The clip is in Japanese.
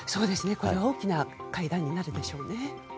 これは大きな会談になるでしょうね。